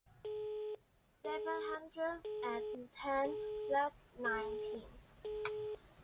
七百一十加九十